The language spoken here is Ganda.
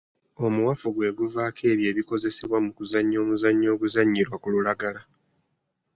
Omuwafu gwe guvaako ebyo ebikozesebwa mu kuzannya omuzannyo oguzannyirwa ku lulagala.